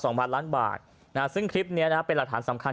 พันล้านบาทนะฮะซึ่งคลิปเนี้ยนะเป็นหลักฐานสำคัญ